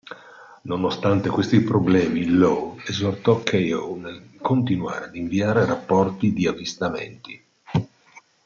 Nonostante questi problemi, Low esortò Keyhoe nel continuare ad inviare rapporti di avvistamenti.